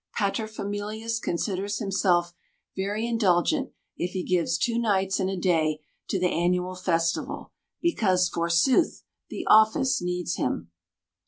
Paterfamilias considers himself very indulgent if he gives two nights and a day to the annual festival, because, forsooth, "the office needs him!"